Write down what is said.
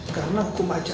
karena hukum adanya